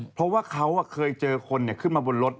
เพราะว่าเขาเคยเจอคนขึ้นมาบนรถ